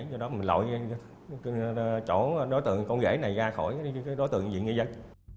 do đó mình lội chỗ đối tượng con ghế này ra khỏi đối tượng viện nghi dân